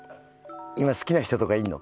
今、好きな人とかいるの？